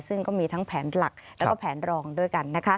ซึ่งก็มีทั้งแผนหลักและแผนรองด้วยกัน